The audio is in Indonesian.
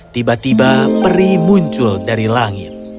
tiba tiba peri muncul dari langit